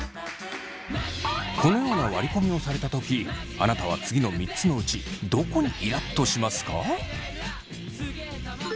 このような割り込みをされたときあなたは次の３つのうちどこにイラっとしますか？